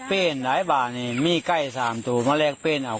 เอาให้ของที่มิศวิทย์มาแลกเอา